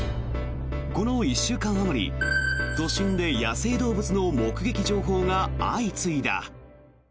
この１週間あまり都心で野生動物の目撃情報が相次いだ。